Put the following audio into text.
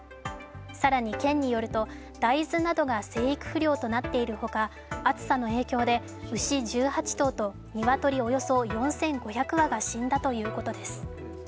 更に、県によると大豆などが生育不良となっているほか、暑さの影響で牛１８頭と鶏およそ４５００羽が死んだということです。